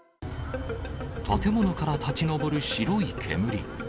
建物から立ち上る白い煙。